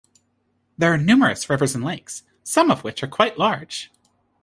There are numerous rivers and lakes, some of which are quite large.